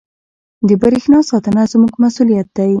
• د برېښنا ساتنه زموږ مسؤلیت دی.